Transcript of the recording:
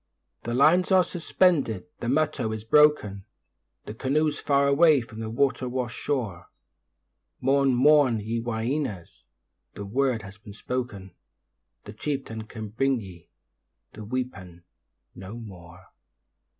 The lines are suspended, the 'muttow' is broken, The canoe's far away from the water wash'd shore, Mourn, mourn, ye 'whyeenas', the word has been spoken, The chieftain can bring ye the 'weepan' no more.